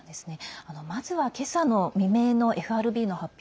まずは今朝未明のＦＲＢの発表